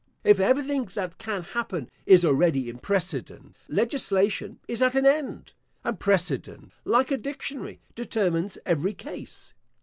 If everything that can happen is already in precedent, legislation is at an end, and precedent, like a dictionary, determines every case.